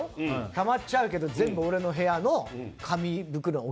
たまっちゃうけど、全部俺の部屋の紙袋に。